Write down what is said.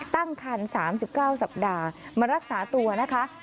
ตั้งคัน๓๙สัปดาห์มารักษาตัวนะคะ